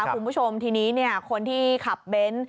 คุณผู้ชมทีนี้คนที่ขับเบนท์